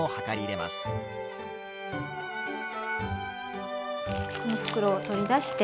この袋を取り出して。